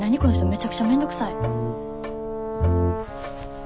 めちゃくちゃめんどくさい。